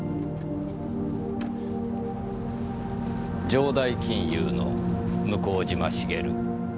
城代金融の向島茂。